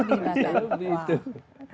bisa lebih itu